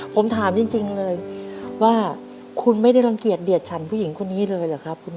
ผมถามจริงเลยว่าคุณไม่ได้รังเกียจเดียดฉันผู้หญิงคนนี้เลยเหรอครับคุณ